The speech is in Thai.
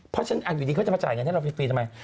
เพราะฉะนั้นอยู่ดีเขาจะมาจ่ายเงินให้เราฟรีทำไม